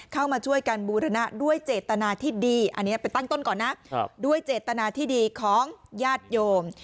เข้ามาช่วยกันบูรณะด้วยเจตนาที่ดีอันนี้ไปตั้งต้นก่อนนะด้วยเจตนาที่ดีของญาติโยม